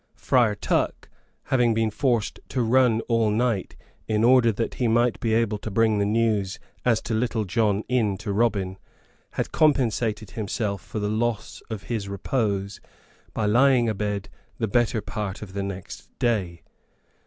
Friar Tuck, having been forced to run all night in order that he might be able to bring the news as to Little John in to Robin, had compensated himself for the loss of his repose by lying abed the better part of the next day.